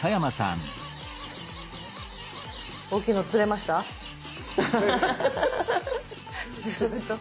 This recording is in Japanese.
大きいの釣れました？